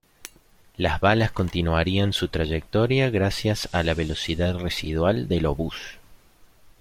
Las balas continuarían su trayectoria gracias a la "velocidad residual" del obús.